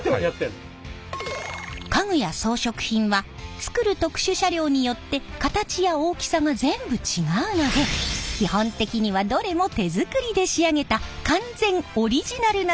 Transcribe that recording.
家具や装飾品は作る特殊車両によって形や大きさが全部違うので基本的にはどれも手作りで仕上げた完全オリジナルなのです！